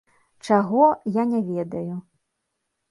Чаго, я не ведаю.